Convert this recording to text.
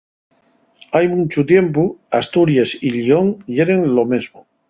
Hai munchu tiempu, Asturies y Llión yeren lo mesmo.